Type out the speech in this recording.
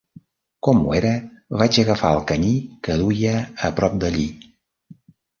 Com ho era, vaig agafar el camí que duia a prop d'allí.